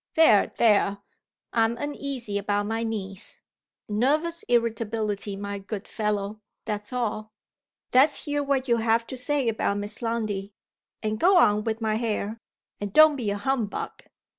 There! there! I'm uneasy about my niece nervous irritability, my good fellow, that's all. Let's hear what you have to say about Miss Lundie. And go on with my hair. And don't be a humbug."